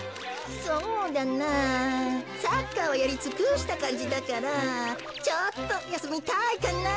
そうだなサッカーはやりつくしたかんじだからちょっとやすみたいかな。